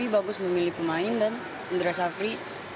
bagus memilih pemain dan indra safri